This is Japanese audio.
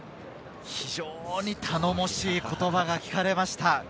非常に頼もしい言葉が聞かれました。